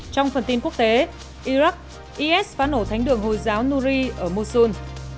trong phần tin quốc tế iraq is phát nổ thánh đường hồi giáo nuri ở mosul